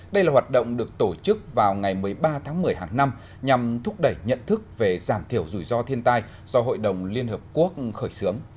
đây là hoạt động được tổ chức vào ngày một mươi ba tháng một mươi hàng năm nhằm thúc đẩy nhận thức về giảm thiểu rủi ro thiên tai do hội đồng liên hợp quốc khởi xướng